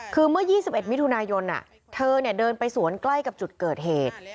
คือเมื่อ๒๑มิถุนายนเธอเดินไปสวนใกล้กับจุดเกิดเหตุ